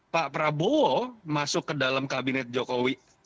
pak prabowo masuk ke dalam kabinet jokowi